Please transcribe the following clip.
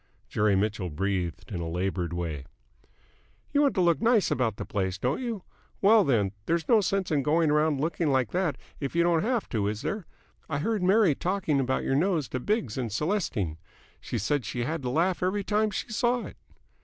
Jerry Mitchell breathed in a laboured way. "You want to look nice about the place, don't you? Well, then! there's no sense in going around looking like that if you don't have to, is there? I heard Mary talking about your nose to Biggs and Celestine. She said she had to laugh every time she saw it."